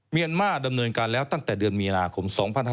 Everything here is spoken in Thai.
เมียนมาดำเนินการแล้วตั้งแต่เดือนมีนาคม๒๕๕๙